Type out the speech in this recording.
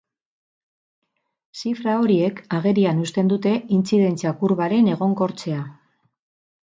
Zifra horiek agerian uzten dute intzidentzia-kurbaren egonkortzea.